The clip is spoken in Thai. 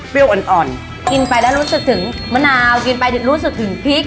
อ่อนกินไปแล้วรู้สึกถึงมะนาวกินไปรู้สึกถึงพริก